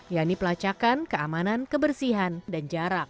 yakni pelacakan keamanan kebersihan dan jarak